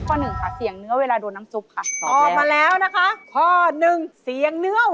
ก็เลยคิดว่ามาจากคนนี้